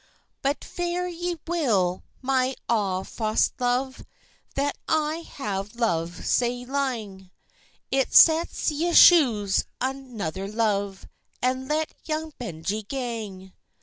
"But fare ye weel, my ae fause love, That I have lov'd sae lang! It sets ye chuse another love, And let young Benjie gang."